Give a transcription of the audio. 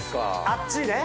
あっちね。